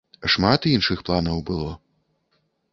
Шмат іншых планаў было.